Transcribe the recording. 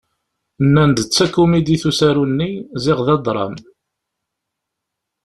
Nnan-d d takumidit usaru-nni ziɣ d adṛam.